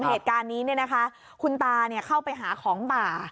เหตุการณ์นี้คุณตาเข้าไปหาของป่า